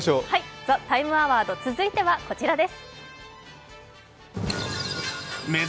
「ＴＨＥＴＩＭＥ，アワード」続いてはこちらです。